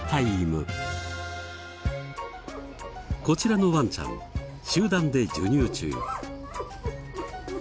こちらのワンちゃん集団で授乳中。